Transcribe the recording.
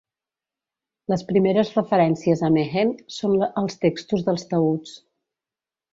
Les primeres referències a Mehen són als textos dels taüts.